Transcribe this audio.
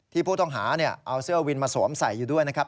ผู้ต้องหาเอาเสื้อวินมาสวมใส่อยู่ด้วยนะครับ